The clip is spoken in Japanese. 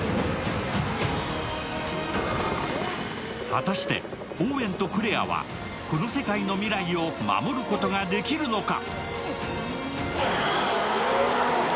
果たして、オーウェンとクレアはこの世界の未来を守ることができるのか。